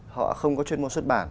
họ không có chuyên môn xuất bản